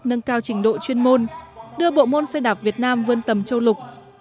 nâng cao trình độ chuyên môn đưa bộ môn xe đạp việt nam vươn tầm châu lục